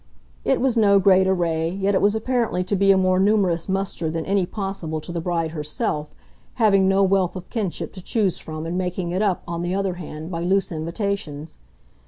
It was no great array, yet it was apparently to be a more numerous muster than any possible to the bride herself, having no wealth of kinship to choose from and making it up, on the other hand, by loose invitations.